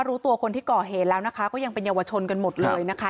รู้ตัวคนที่ก่อเหตุแล้วนะคะก็ยังเป็นเยาวชนกันหมดเลยนะคะ